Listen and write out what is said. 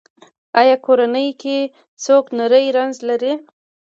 ایا کورنۍ کې څوک نری رنځ لري؟